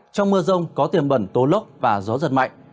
trong mưa rông có tiềm bẩn tố lốc và gió giật mạnh